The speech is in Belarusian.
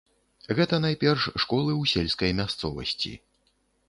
Гэта найперш школы ў сельскай мясцовасці.